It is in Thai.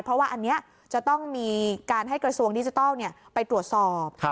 เพราะว่าอันนี้จะต้องมีการให้กระทรวงดิจิทัลไปตรวจสอบ